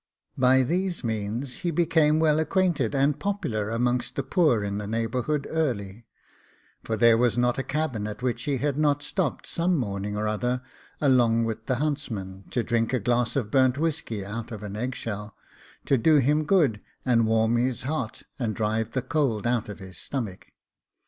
By these means he became well acquainted and popular amongst the poor in the neighbourhood early, for there was not a cabin at which he had not stopped some morning or other, along with the huntsman, to drink a glass of burnt whisky out of an eggshell, to do him good and warm his heart and drive the cold out of his stomach.